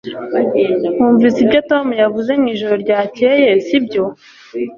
Wumvise ibyo Tom yavuze mwijoro ryakeye sibyo